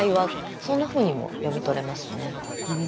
そんなふうにも読み取れますね。